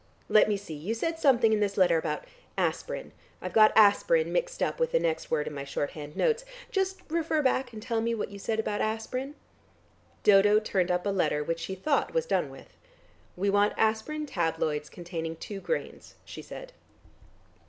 Let me see, you said something in this letter about aspirin. I've got 'aspirin' mixed up with the next word in my shorthand notes. Just refer back, and tell me what you said about aspirin." Dodo turned up a letter which she thought was done with. "We want aspirin tabloids containing two grains," she said.